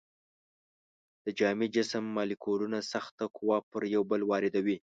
د جامد جسم مالیکولونه سخته قوه پر یو بل واردوي.